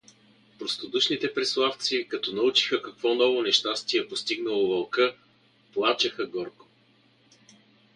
Простодушните преславци, като научиха какво ново нещастие постигнало Вълка, плачеха горко.